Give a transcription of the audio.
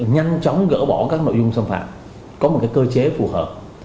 nhanh chóng gỡ bỏ các nội dung xâm phạm có một cơ chế phù hợp